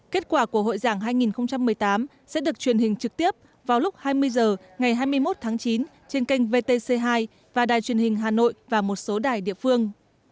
kết quả của hội giảng hai nghìn một mươi tám sẽ được truyền hình trực tiếp vào lúc hai mươi h ngày hai mươi một tháng chín trên kênh vtc hai và đài truyền hình hà nội và một số đài địa phương